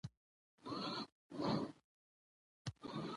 په کړوپه ملا به ورسره ناڅم